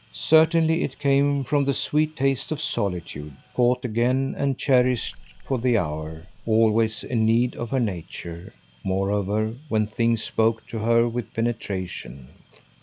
Certainly it came from the sweet taste of solitude, caught again and cherished for the hour; always a need of her nature, moreover, when things spoke to her with penetration.